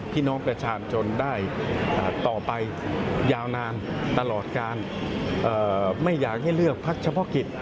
ไปยาวนานตลอดการไม่อยากให้เลือกภาคเฉพาะกิจ